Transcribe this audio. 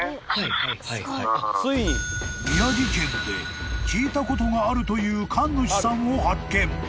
［宮城県で聞いたことがあるという神主さんを発見］